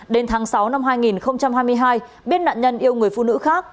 đến tháng sáu năm hai nghìn hai mươi hai biết nạn nhân yêu người phụ nữ khác